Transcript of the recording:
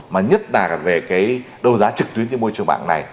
mà nhất là về cái đấu giá trực tuyến trên môi trường mạng này